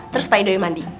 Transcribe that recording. terus pak idoi mandi